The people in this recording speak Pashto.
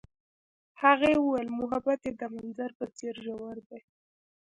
هغې وویل محبت یې د منظر په څېر ژور دی.